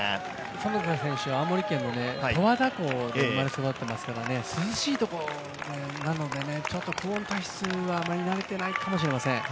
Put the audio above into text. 其田選手は長野県十和田港で生まれ育っていますからね、涼しいところなのでちょっと高温多湿は慣れていないかもしれません。